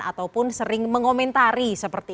ataupun sering mengomentari